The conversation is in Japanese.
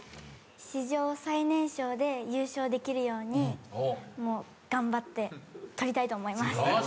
史上最年少で優勝できるように頑張って取りたいと思います。